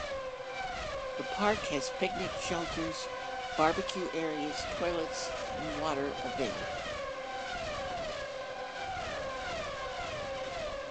The park has picnic shelters, barbecue areas, toilets and water available.